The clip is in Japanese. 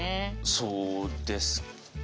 そうですか。